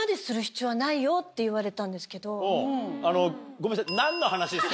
ごめんなさい。